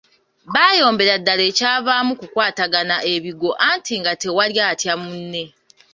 Baayombera ddala ekyavaamu kukwatagana ebigwo anti nga tewali atya munne.